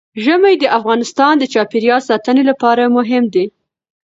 ژمی د افغانستان د چاپیریال ساتنې لپاره مهم دي.